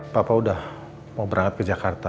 papa udah mau berangkat ke jakarta